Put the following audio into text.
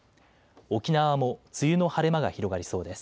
沖縄も梅雨の晴れ間が広がりそうです。